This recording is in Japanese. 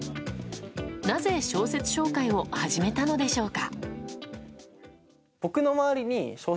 なぜ小説紹介を始めたのでしょうか。